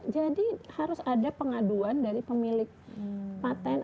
jadi harus ada pengaduan dari pemilik patent